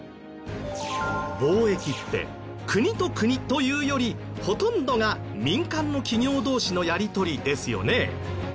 貿易って国と国というよりほとんどが民間の企業同士のやり取りですよね。